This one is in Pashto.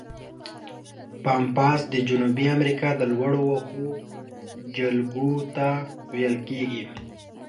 پامپاس د جنوبي امریکا د لوړو وښو جلګو ته ویل کیږي.